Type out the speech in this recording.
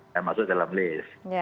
dan masuk dalam list